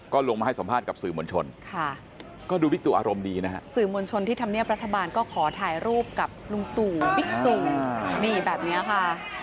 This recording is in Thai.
ก็ลงมาให้สัมภาษณ์กับสื่อมวลชนค่ะก็ดูบิ๊กตู่อารมณ์ดีนะฮะสื่อมวลชนที่ทำเนียบรัฐบาลก็ขอถ่ายรูปกับลุงตู่บิ๊กตู่นี่แบบนี้ค่ะ